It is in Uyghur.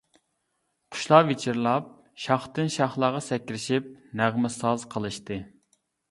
قۇشلار ۋىچىرلاپ، شاختىن-شاخلارغا سەكرىشىپ نەغمە، ساز قىلىشتى.